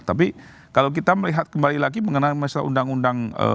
tapi kalau kita melihat kembali lagi mengenai masalah undang undang